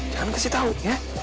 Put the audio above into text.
jangan kasih tau ya